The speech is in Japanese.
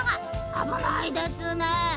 あぶないですね。